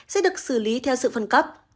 sẽ được xử lý theo sự phân cấp